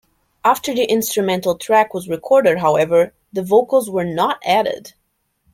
After the instrumental track was recorded, however, the vocals were not added.